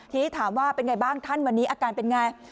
ทีนี้ถามว่าเป็นไงบ้างท่านวันนี้อาการเป็นไง